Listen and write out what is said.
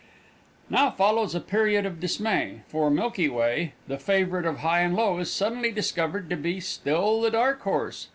Now follows a period of dismay for Milky Way, the favourite of high and low, is suddenly discovered to be still the dark horse!